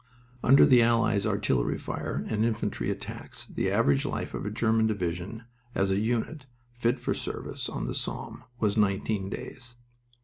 Under the Allies' artillery fire and infantry attacks the average life of a German division as a unit fit for service on the Somme was nineteen days.